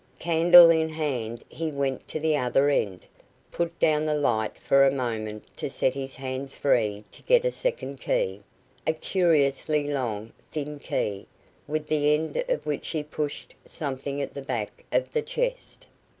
Candle in hand he went to the other end, put down the light for a moment to set his hands free to get a second key a curiously long, thin key, with the end of which he pushed something at the back of the chest.